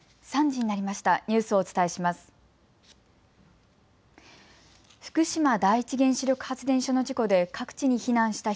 ３時になりました。